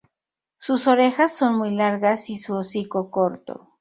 Sus orejas son muy largas, y su hocico corto.